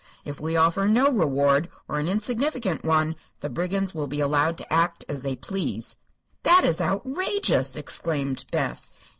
If we offer no reward, or an insignificant one, the brigands will be allowed to act as they please." "That is outrageous!" exclaimed Beth.